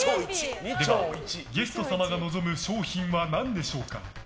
では、ゲスト様が望む賞品は何でしょうか？